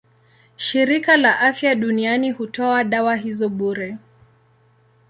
Shirika la Afya Duniani hutoa dawa hizo bure.